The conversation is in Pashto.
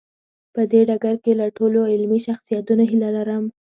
په دې ډګر کې له ټولو علمي شخصیتونو هیله لرم.